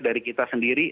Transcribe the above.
dari kita sendiri